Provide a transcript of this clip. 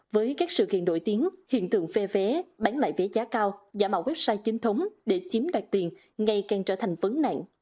với các sự kiện nổi tiếng hiện tượng phê vé bán lại vé giá cao giả mạo website chính thống để chiếm đoạt tiền ngày càng trở thành vấn nạn